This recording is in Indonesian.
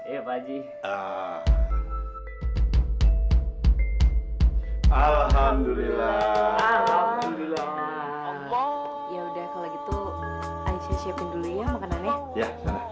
ya pak haji alhamdulillah ya udah kalau gitu aja siapin dulu ya makanan ya ya